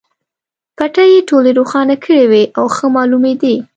بټۍ یې ټولې روښانه کړې وې او ښه مالومېدې.